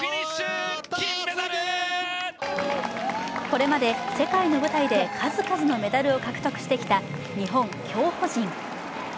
これまで世界の舞台で数々のメダルを獲得してきた日本競歩陣。